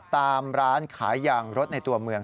ตามร้านขายยางรถในตัวเมือง